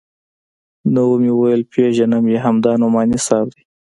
نو ومې ويل پېژنم يې همدا نعماني صاحب دى.